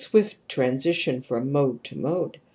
swift transition from mode to mode.